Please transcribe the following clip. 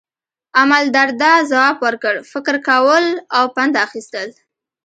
امالدرداء ځواب ورکړ، فکر کول او پند اخیستل.